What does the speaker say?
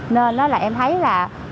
nên đó là em thấy là